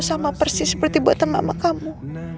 sama persis seperti buatan mama kamu